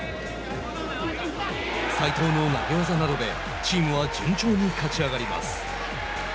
斉藤の投げ技などでチームは順調に勝ち上がります。